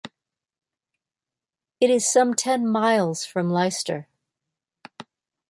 It is some ten miles from Leicester.